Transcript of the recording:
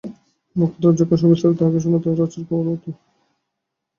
মোক্ষদা তখন সবিস্তারে তাহাকে শোনায় তাহার আছাড় খাওয়ার বৃত্তাভ।